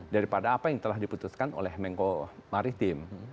daripada apa yang telah diputuskan oleh mengko maritim